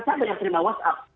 saya banyak terima whatsapp